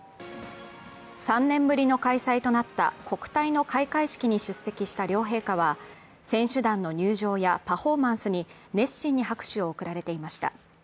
３年ぶりの開催となった国体の開会式に出席した両陛下は選手団の入場やパフォーマンスに熱心に拍手を送られていました。